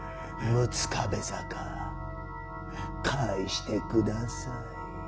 六壁坂返してください。